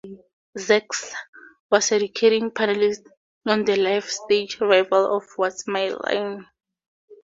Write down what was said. Zax was a recurring panelist on the live stage revival of What's My Line?